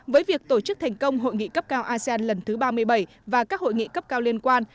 với việc tổ chức thành công hội nghị cấp cao asean lần thứ ba mươi bảy và các hội nghị cấp cao liên quan